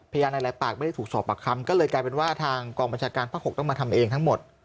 หลายปากไม่ได้ถูกสอบปากคำก็เลยกลายเป็นว่าทางกองบัญชาการภาค๖ต้องมาทำเองทั้งหมด